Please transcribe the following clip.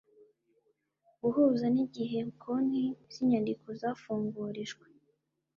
guhuza n’igihe konti z’inyandiko zafungurijwe